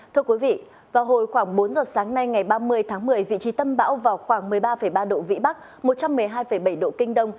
thưa quý vị vào hồi khoảng bốn giờ sáng nay ngày ba mươi tháng một mươi vị trí tâm bão vào khoảng một mươi ba ba độ vĩ bắc một trăm một mươi hai bảy độ kinh đông